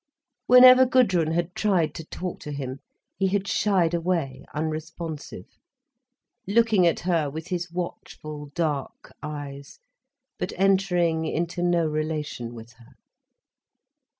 Whenever Gudrun had tried to talk to him he had shied away unresponsive, looking at her with his watchful dark eyes, but entering into no relation with her.